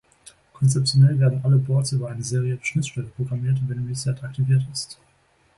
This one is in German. Konzeptionell werden alle Boards über eine serielle Schnittstelle programmiert, wenn Reset aktiviert ist.